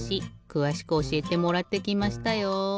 くわしくおしえてもらってきましたよ。